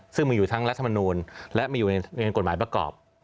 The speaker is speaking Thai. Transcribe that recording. ซึ่งมันอยู่ทั้งรัฐมนูลและมีอยู่ในกฎหมายประกอบ